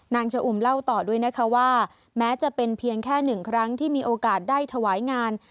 ชะอุ่มเล่าต่อด้วยนะคะว่าแม้จะเป็นเพียงแค่หนึ่งครั้งที่มีโอกาสได้ถวายงาน